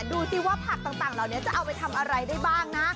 ดูสิว่าผักต่างเหล่านี้จะเอาไปทำอะไรได้บ้างนะ